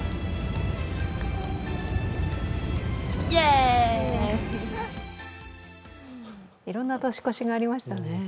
いろんな年越しがありましたね。